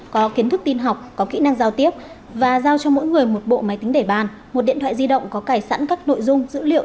có kiến thức tin học có kỹ năng giao tiếp và giao cho mỗi người một bộ máy tính để bàn một điện thoại di động có cải sẵn các nội dung dữ liệu